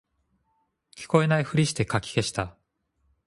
聞こえないふりしてかき消した